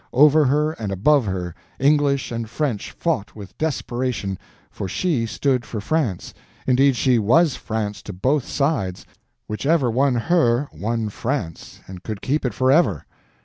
Over her and above her, English and French fought with desperation—for she stood for France, indeed she was France to both sides—whichever won her won France, and could keep it forever.